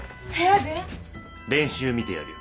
練習見てやるよ。